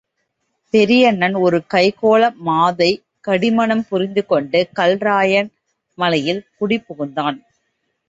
பெரியண்ணன் ஒரு கைக்கோள மாதைக் கடிமணம் புரிந்து கொண்டு, கல்ராயன் மலையில் குடி புகுந்தான்.